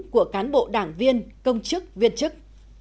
của cán bộ đảng viên công chức viên chức